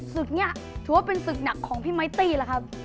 ศึกนี้ถือว่าเป็นศึกหนักของพี่ไมตี้แล้วครับ